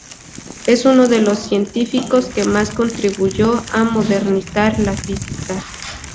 Es uno de los científicos que más contribuyó a modernizar la física.